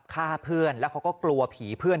ฆ่าเพื่อนแล้วเขาก็กลัวผีเพื่อน